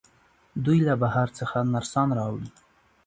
دوی له بهر څخه نرسان راوړي.